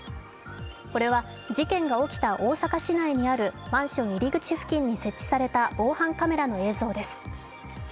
これは事件が起きた大阪市内にあるマンション入り口付近に設置された防犯カメラの映像です。